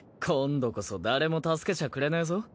今度こそ誰も助けちゃくれねえぞ？